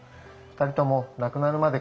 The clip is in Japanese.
２人とも亡くなるまで